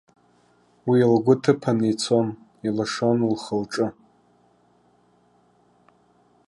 Уи лгәы ҭыԥаны ицон, илашон лхы-лҿы.